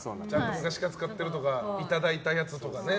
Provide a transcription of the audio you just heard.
昔から使ってたりいただいたやつとかね。